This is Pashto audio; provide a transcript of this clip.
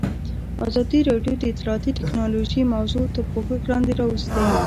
ازادي راډیو د اطلاعاتی تکنالوژي موضوع تر پوښښ لاندې راوستې.